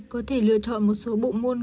có thể lựa chọn một số bộ môn